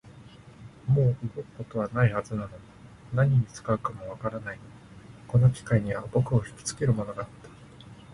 もう動くことはないはずなのに、何に使うかもわからないのに、この機械には僕をひきつけるものがあった